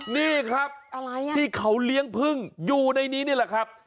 นี่ครับที่เขาเลี้ยงพึ่งอยู่ในนี้นี่แหละครับ